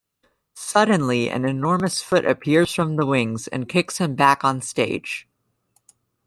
Suddenly an enormous foot appears from the wings and kicks him back on stage.